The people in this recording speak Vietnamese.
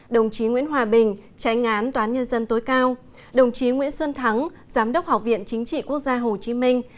đồng chí nguyễn hòa bình tránh án toán nhân dân tối cao đồng chí nguyễn xuân thắng giám đốc học viện chính trị quốc gia hồ chí minh